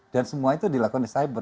semua itu dilakukan di cyber